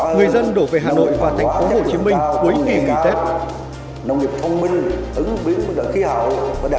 người dân đổ về hà nội và thành phố hồ chí minh cuối ngày kỷ tết